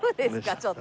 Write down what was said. ちょっと。